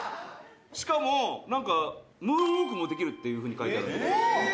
「しかもムーンウォークもできるっていう風に書いてあるんだけど」